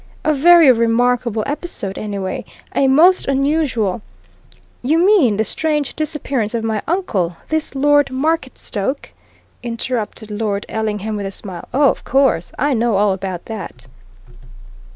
A very remarkable episode, anyway, a most unusual " "You mean the strange disappearance of my uncle this Lord Marketstoke?" interrupted Lord Ellingham with a smile. "Oh, of course, I know all about that."